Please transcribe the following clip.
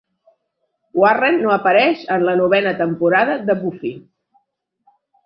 Warren no apareix en la novena temporada de Buffy.